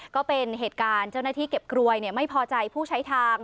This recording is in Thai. ก็เป็นเหตุการณ์เจ้าหน้าที่เก็บกรวยไม่พอใจผู้ใช้ทาง